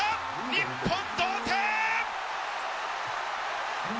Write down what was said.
日本、同点。